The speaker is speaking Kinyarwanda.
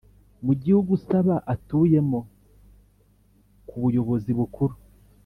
mu gihugu usaba atuyemo ku Buyobozi Bukuru